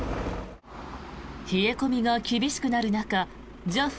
冷え込みが厳しくなる中ＪＡＦ